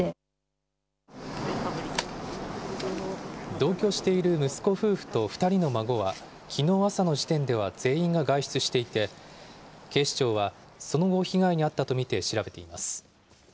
同居している息子夫婦と２人の孫は、きのう朝の時点では全員が外出していて、警視庁はその後、被害に遭ったと見て調べています。